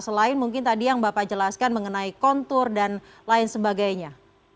selain mungkin tadi yang bapak jelaskan mengenai kontur dan lain sebagainya